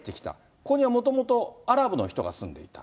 ここにはもともとアラブの人が住んでいた。